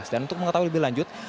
dan untuk mengetahui lebih lanjut